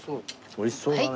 おいしそうだね。